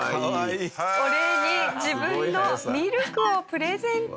お礼に自分のミルクをプレゼント。